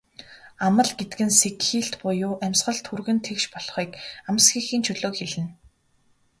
Амал гэдэг нь сэгхийлт буюу амьсгал түргэн тэгш болохыг, амсхийхийн чөлөөг хэлнэ.